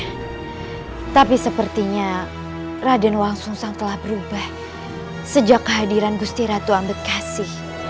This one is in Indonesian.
hai tapi sepertinya raden wangsungsang telah berubah sejak kehadiran gusti ratu ambedkasi